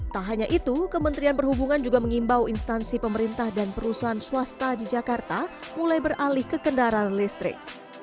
tak hanya itu kementerian perhubungan juga mengimbau instansi pemerintah dan perusahaan swasta di jakarta mulai beralih ke kendaraan listrik